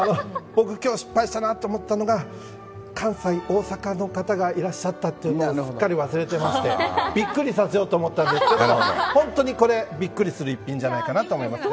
僕今日失敗したなと思ったのが関西、大阪の方がいらっしゃったことをすっかり忘れていましてビックリさせようと思ったんですけどビックリする一品じゃないかなと思います。